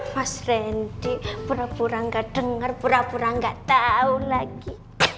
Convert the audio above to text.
mas rendy pura pura nggak dengar pura pura nggak tahu lagi